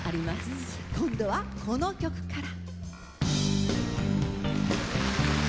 今度はこの曲から。